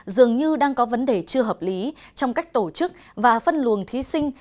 dường như đang có vấn đề chưa hợp lý trong cách tổ chức và phân luồng thí sinh